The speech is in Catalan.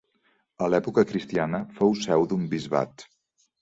A l'època cristiana fou seu d'un bisbat.